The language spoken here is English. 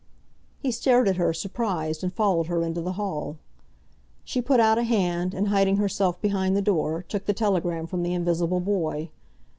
He stared at her, surprised, and followed her into the hall. She put out a hand, and hiding herself behind the door, took the telegram from the invisible boy.